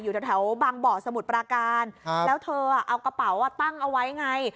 แถวบางบ่อสมุทรปราการแล้วเธอเอากระเป๋าตั้งเอาไว้ไง